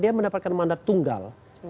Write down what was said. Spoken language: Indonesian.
dia mendapatkan mandat tunggal